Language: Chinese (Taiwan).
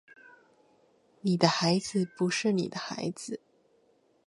你的孩子不是你的孩子